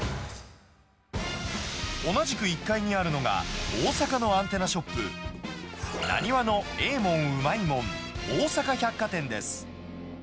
同じく１階にあるのが、大阪のアンテナショップ、浪花のえぇもんうまいもん大阪百貨店です。